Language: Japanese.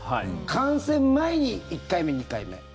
感染前に１回目、２回目。